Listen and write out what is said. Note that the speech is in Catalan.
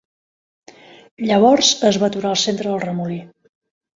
Llavors es va aturar al centre del remolí.